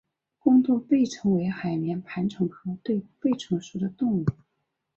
弓对臂虫为海绵盘虫科对臂虫属的动物。